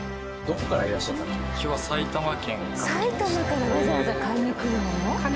埼玉からわざわざ買いに来るの？